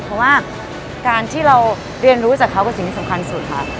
เพราะว่าการที่เราเรียนรู้จากเขาเป็นสิ่งที่สำคัญสุดค่ะ